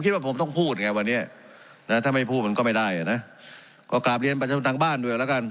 ก็ไม่ได้อ่ะนะก็กลับเรียนประชาชนทางบ้านด้วยแล้วกัน